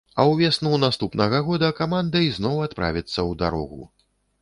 А ўвесну наступнага года каманда ізноў адправіцца ў дарогу.